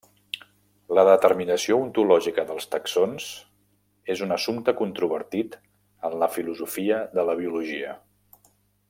La determinació ontològica dels taxons és un assumpte controvertit en la filosofia de la biologia.